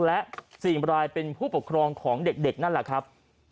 และ๔รายเป็นผู้ปกครองของเด็กนั่นแหละครับ